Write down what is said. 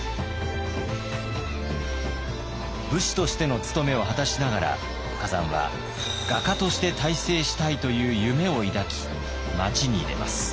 武士としての務めを果たしながら崋山は画家として大成したいという夢を抱き町に出ます。